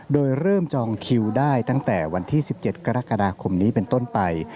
โดยเริ่มจองคิวได้ตั้งแต่วันที่๑๗กรกฎาคมนี้เป็นต้นไป